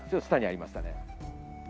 下にありましたね。